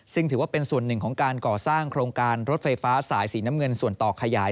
ซึ่งถือว่าเป็นส่วนหนึ่งของการก่อสร้างโครงการรถไฟฟ้าสายสีน้ำเงินส่วนต่อขยาย